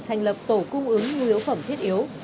thành lập tổ cung ứng nhu yếu phẩm thiết yếu